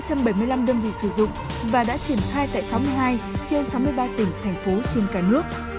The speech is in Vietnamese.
dịch vụ vmpt egate có ba ba trăm hai mươi đơn vị sử dụng và đã triển khai tại sáu mươi hai trên sáu mươi ba tỉnh thành phố trên cả nước